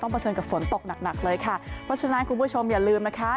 เผชิญกับฝนตกหนักหนักเลยค่ะเพราะฉะนั้นคุณผู้ชมอย่าลืมนะคะ